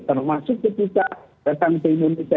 termasuk ketika datang ke indonesia